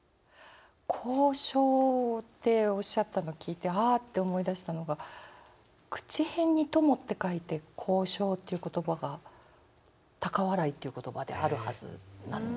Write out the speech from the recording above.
「高笑」っておっしゃったの聞いてああって思い出したのが口へんに「共」って書いて「哄笑」っていう言葉が高笑いっていう言葉であるはずなんですけど。